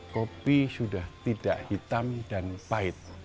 kopi sudah tidak hitam dan pahit